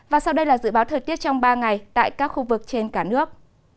và sau đây là dự báo thời tiết trong ba ngày tại các khu vực trên cả nước